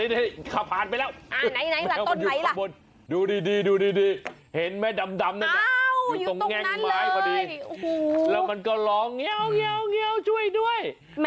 เด้ยข้าพันไปล่ะดูดีมันเห็นแมวเดิมอยู่ตรงนั้นเลยแล้วมันก็ลองเหี้ยวช่วยด้วย